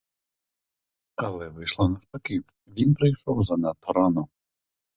Але вийшло навпаки: він прийшов занадто рано.